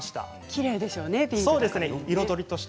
きれいでしょうね。